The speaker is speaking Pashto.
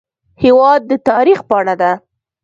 هېواد د تاریخ پاڼه ده.